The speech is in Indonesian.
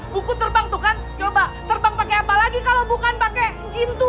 buku terbang tuh kan coba terbang pakai apa lagi kalau bukan pakai jintu